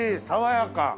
爽やか！